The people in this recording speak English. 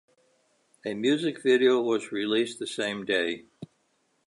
A music video was released the same day.